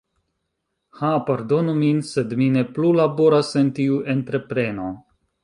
"Ha pardonu min, sed mi ne plu laboras en tiu entrepreno.